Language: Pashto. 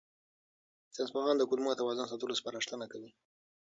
ساینسپوهان د کولمو توازن ساتلو سپارښتنه کوي.